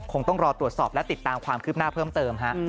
คงต้องรอตรวจสอบและติดตามความคืบหน้าเพิ่มเติมฮะ